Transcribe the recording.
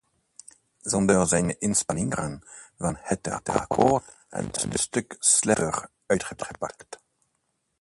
Zonder zijn inspanningen was het akkoord een stuk slechter uitgepakt.